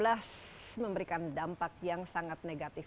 ya covid sembilan belas memberikan dampak yang sangat negatif